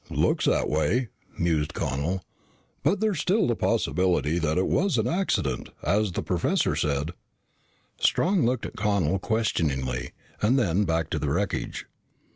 "Looks that way," mused Connel. "But there is still the possibility that it was an accident, as the professor said." Strong looked at Connel questioningly and then back to the wreckage.